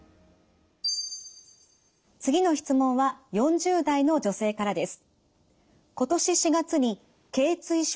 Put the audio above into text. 次の質問は４０代の女性からです。